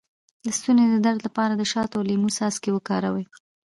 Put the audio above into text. د ستوني د درد لپاره د شاتو او لیمو څاڅکي وکاروئ